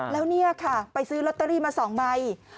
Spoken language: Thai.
แล้วเนี่ยค่ะไปซื้อลอตเตอรี่มา๒ใบ